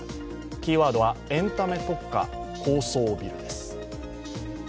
キーワードはエンタメ特化高層ビルです。